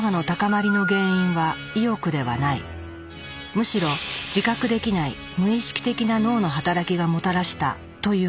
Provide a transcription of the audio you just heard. むしろ自覚できない無意識的な脳の働きがもたらしたというのだ。